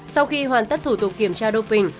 sau khi hoàn tất thủ tục kiểm tra đô phình